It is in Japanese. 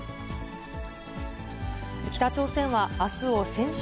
北朝鮮はあすを戦勝